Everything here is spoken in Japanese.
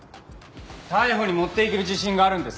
逮捕に持っていける自信があるんですか？